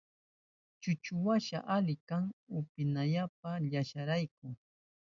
Chuchuwasha ali kan upyanapa llashayashkarayku.